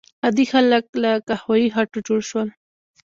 عادي خلک له قهوه یي خټو جوړ شول.